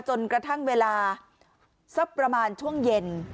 จนกระทั่งเวลาสักประมาณช่วงเย็น